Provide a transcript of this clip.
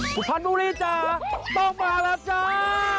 สุพรรณบุรีจ้าต้องมาแล้วจ้า